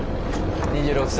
２６歳。